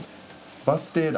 バス停だ。